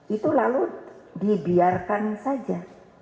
itu lalu dibiarkan saja